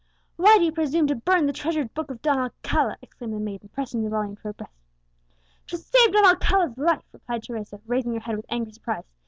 "Why do you presume to burn the treasured book of Don Alcala?" exclaimed the maiden, pressing the volume to her breast. "To save Don Alcala's life!" replied Teresa, raising her head with angry surprise.